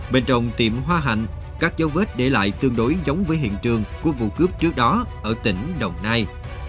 bên trong tiệm hoa hạnh các dấu vết để lại tương đối giống với hiện trường của vụ cướp trước đó ở tỉnh đồng nai